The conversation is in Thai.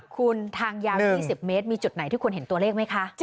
คุณทางยาว๒๐เมตรมีจุดไหนที่ควรเห็นตัวเลขไหมคะ